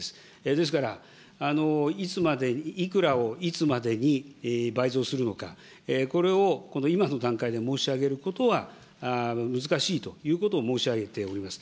ですから、いつまで、いくらをいつまでに倍増するのか、これを今の段階で申し上げることは難しいということを申し上げております。